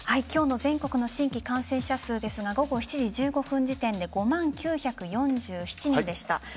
今日の全国の新規感染者数ですが午後７時１５分時点で５万９４７人でした。